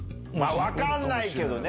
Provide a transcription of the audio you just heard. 分かんないけどね。